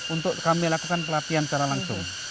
untuk kami lakukan pelatihan secara langsung